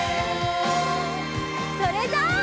それじゃあ。